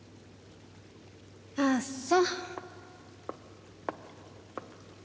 あっそ。